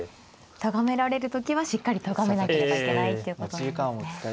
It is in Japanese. とがめられる時はしっかりとがめなければいけないということなんですね。